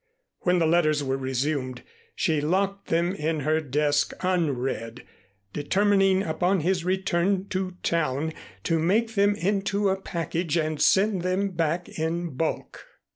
When the letters were resumed, she locked them in her desk unread, determining upon his return to town to make them into a package and send them back in bulk.